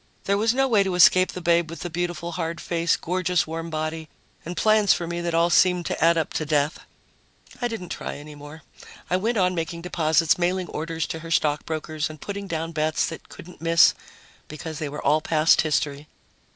There was no way to escape the babe with the beautiful hard face, gorgeous warm body and plans for me that all seemed to add up to death. I didn't try any more. I went on making deposits, mailing orders to her stock brokers, and putting down bets that couldn't miss because they were all past history.